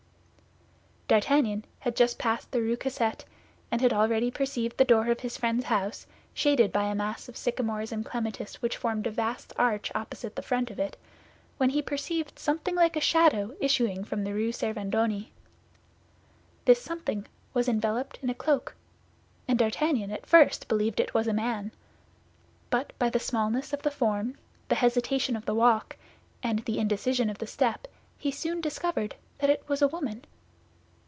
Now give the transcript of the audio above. D'Artagnan had just passed the Rue Cassette, and already perceived the door of his friend's house, shaded by a mass of sycamores and clematis which formed a vast arch opposite the front of it, when he perceived something like a shadow issuing from the Rue Servandoni. This something was enveloped in a cloak, and D'Artagnan at first believed it was a man; but by the smallness of the form, the hesitation of the walk, and the indecision of the step, he soon discovered that it was a woman.